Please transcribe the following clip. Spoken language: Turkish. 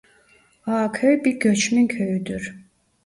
Ağaköy bir göçmen köyüdür.